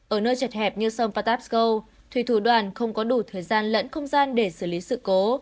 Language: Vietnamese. ở nơi chật hẹp như sông patasko thủy thủ đoàn không có đủ thời gian lẫn không gian để xử lý sự cố